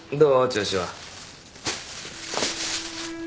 調子は。